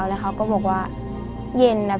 พี่น้องของหนูก็ช่วยย่าทำงานค่ะ